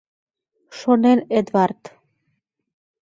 — шонен Эдвард.